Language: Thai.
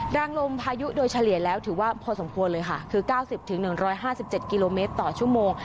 แรงลมพายุโดยเฉลี่ยแล้วถือว่าพอสมควรเลยค่ะคือ๙๐๑๕๗กิโลเมตรต่อชั่วโมง